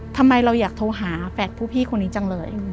ทำไมเราอยากโทรหาแฝดผู้พี่คนนี้จังเลย